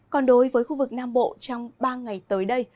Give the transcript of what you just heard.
còn đối với khu vực nam bộ trong ba ngày tới đây